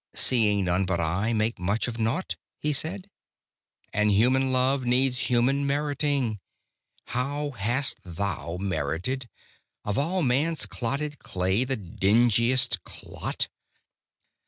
Seeing none but I makes much of naught" (He said), "And human love needs human meriting: How hast thou merited Of all man's clotted clay the dingiest clot?